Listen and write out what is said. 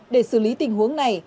để xử lý tình huống này